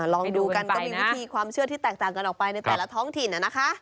ลองดูกันก็มีวิธีความเชื่อที่แตกต่างกันออกไปในแต่ละท้องถิ่นนะคะ